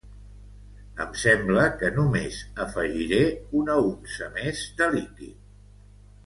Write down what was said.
Em sembla que només afegiré una unça més de líquid.